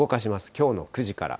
きょうの９時から。